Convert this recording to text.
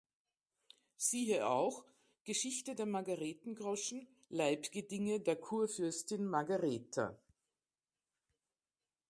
Siehe auch: Geschichte der Margarethengroschen:Leibgedinge der Kurfürstin Margaretha